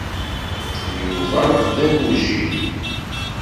Yuba d agujil.